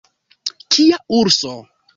Kia urso!